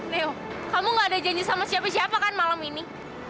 leo kamu gak ada janji sama siapa siapa kan malam ini